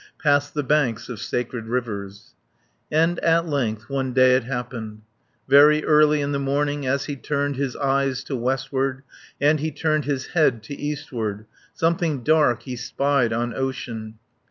Past the banks of sacred rivers. And at length one day it happened. Very early in the morning, 80 As he turned his eyes to westward, And he turned his head to eastward Something dark he spied on ocean.